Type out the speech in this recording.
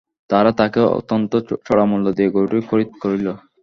তারা তাকে অত্যন্ত চড়ামূল্য দিয়ে গরুটি খরিদ করল।